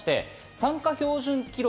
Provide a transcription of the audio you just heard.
参加標準記録